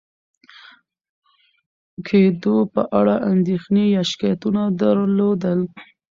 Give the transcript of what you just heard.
کېدو په اړه اندېښنې یا شکایتونه درلودل،